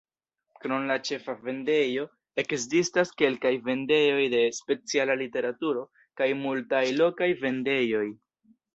Krom la ĉefa vendejo, ekzistas kelkaj vendejoj de speciala literaturo kaj multaj lokaj vendejoj.